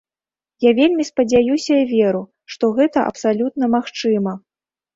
Я вельмі спадзяюся і веру, што гэта абсалютна магчыма.